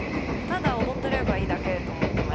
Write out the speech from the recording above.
ただ踊ってればいいだけと思ってました。